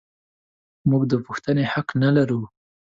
موږ د پوښتنې حق نه لرو.